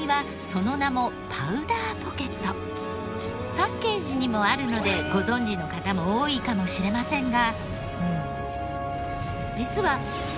パッケージにもあるのでご存じの方も多いかもしれませんが。